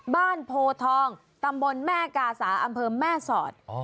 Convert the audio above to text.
โพทองตำบลแม่กาสาอำเภอแม่สอด